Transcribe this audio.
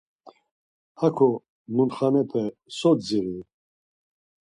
Haǩo mutxanepe so dziri?